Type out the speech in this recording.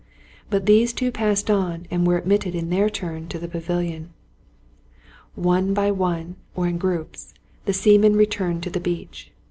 But these two passed on and were admitted in their turn to the pavilion. One by one, or in groups, the seamen returned to the beach.